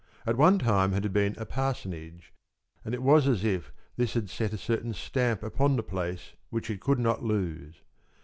At one time it had been a parsonage, and it was as if this had set a certain stamp upon the place which it could not lose.